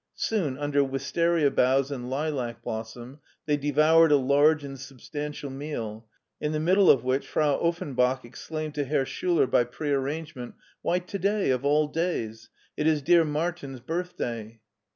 Soon, under wistaria boughs and lilac blossom, they devoured a large and substantial meal, in the middle of which Frau Offenbach exclaimed to Herr Schiller by pre arrangement : "Why, to day, of all days! It is dear Martin's birthday!"